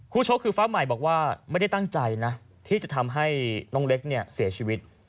ชกคือฟ้าใหม่บอกว่าไม่ได้ตั้งใจนะที่จะทำให้น้องเล็กเนี่ยเสียชีวิต